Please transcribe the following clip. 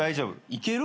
いける？